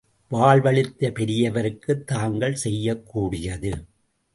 வாழ்வளித்த பெரியவருக்கு தாங்கள் செய்யக் கூடியது.